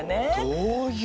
どういう。